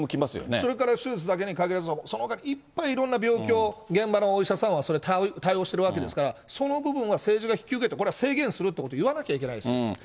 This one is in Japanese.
それから手術だけに限らず、そのほか、いっぱいいろんな病気を、現場のお医者さんはそれ対応してるわけですから、その部分は政治が引き受けて、これは制限するということを言わなきゃいけないです。